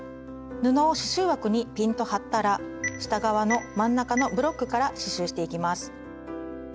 布を刺しゅう枠にピンと張ったら下側の真ん中のブロックから刺しゅうしていきます。